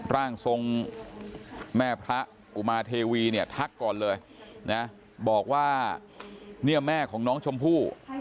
ร่างทรงแม่พระอุมาเทวีเนี่ยทักก่อนเลยนะบอกว่าเนี่ยแม่ของน้องชมพู่